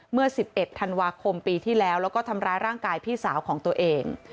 เมื่อ๑๑ธันวาคมปีที่แล้วแล้วก็ทำร้ายร่างกายพี่สาวของตัวเอง